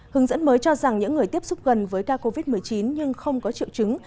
hướng dẫn mới cho rằng những người tiếp xúc gần với ca covid một mươi chín nhưng không có triệu chứng